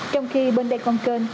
trong khi bên đây con kênh